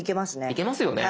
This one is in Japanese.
いけますよね。